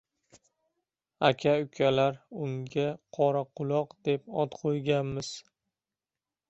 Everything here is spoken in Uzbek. Aka-ukalar unga Qoraquloq deb ot qo‘yganmiz.